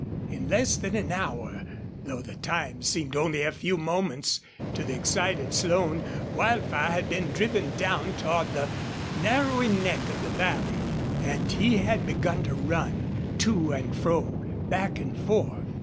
In less than an hour, though the time seemed only a few moments to the excited Slone, Wildfire had been driven down toward the narrowing neck of the valley, and he had begun to run, to and fro, back and forth.